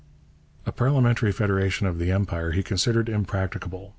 A parliamentary federation of the Empire he considered impracticable.